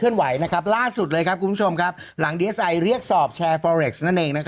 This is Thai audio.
อึกอึกอึกอึกอึกอึกอึกอึกอึกอึก